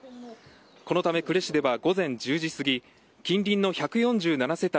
このため呉市では午前１０時過ぎ近隣の１４７世帯